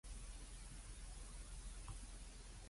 我想化個淡妝